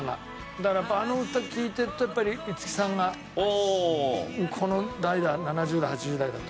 だからあの歌聴いてるとやっぱり五木さんがこの代では７０代８０代だと。